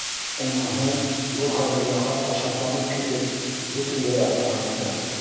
Уныһы, был хәбәргә хатта шатланып китеп, бөтөнләй аптыратты.